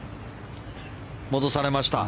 戻されました。